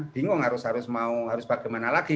bingung harus mau bagaimana lagi